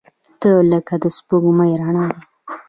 • ته لکه د سپوږمۍ رڼا یې.